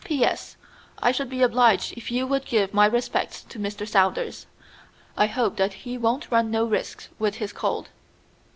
"P.S. I should be obliged if you would give my respects to Mr. Saunders. I hope that he won't run no risks with his cold."